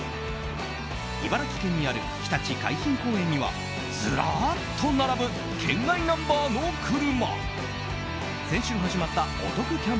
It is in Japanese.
茨城県にあるひたち海浜公園にはずらーっと並ぶ県外ナンバーの車。